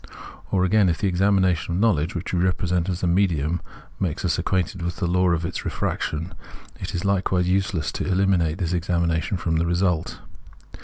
Or, again, if the examina tion of knowledge, which we represent as a medium, Introduction 75 makes us acquainted with tke law of its refraction, it is likewise useless to eliminate tkis examination from tke result.